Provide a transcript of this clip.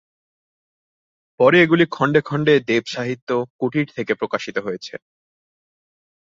পরে এগুলি খণ্ডে খণ্ডে দেব সাহিত্য কুটির থেকে প্রকাশিত হয়েছে।